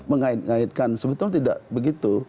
mengait ngaitkan sebetulnya tidak begitu